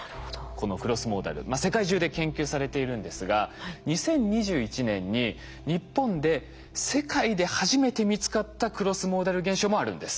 このクロスモーダル世界中で研究されているんですが２０２１年に日本で世界で初めて見つかったクロスモーダル現象もあるんです。